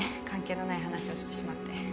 関係のない話をしてしまって。